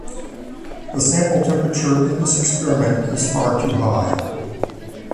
The sample temperature in this experiment is far too high.